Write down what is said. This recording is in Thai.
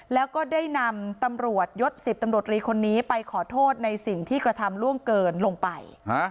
แล้วก็ได้นำตำรวจยศ๑๐ตำรวจรีคนนี้ไปขอโทษในสิ่งที่กระทำล่วงเกินลงไป